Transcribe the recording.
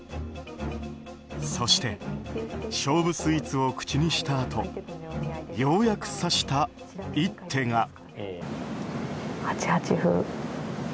そして、勝負スイーツを口にしたあとようやく指した一手が。